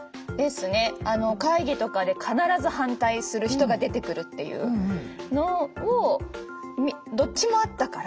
会議とかで必ず反対する人が出てくるっていうのをどっちもあったから。